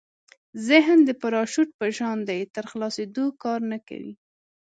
ذهن د پراشوټ په شان دی تر خلاصېدو کار نه کوي.